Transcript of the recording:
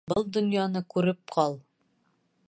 Был донъяны күреп ҡал.